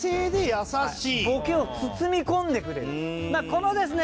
このですね